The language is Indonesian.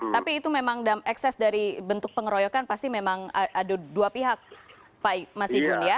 tapi itu memang ekses dari bentuk pengeroyokan pasti memang ada dua pihak pak mas igun ya